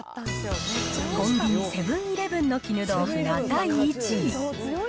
コンビニ、セブンイレブンの絹豆腐が第１位。